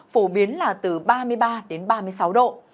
phổ biến là từ ba mươi ba đến ba mươi sáu độ